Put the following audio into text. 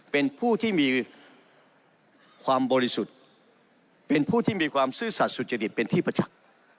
เป็นผู้ที่มีความบริสุทธิ์เป็นผู้ที่มีความซื่อสัตว์สุจริตเป็นที่ประจักษ์